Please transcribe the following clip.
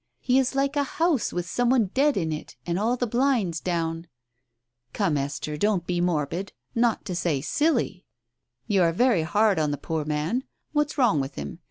He is like a house with some one dead in it, and all the blinds down !" "Come, Esther, don't be morbid — not to say silly! You are very hard on the poor man 1 What's wrong with him